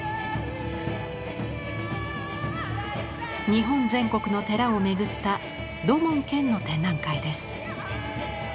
日本全国の寺を巡った土門拳の展覧会です。